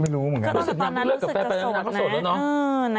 ไม่รู้ไหมตอนนั้นรู้ต้อนนั้นรู้สึกเบานะ